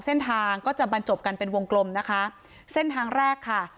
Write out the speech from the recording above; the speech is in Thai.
เส้นทางก็จะบรรจบกันเป็นวงกลมนะคะเส้นทางแรกค่ะ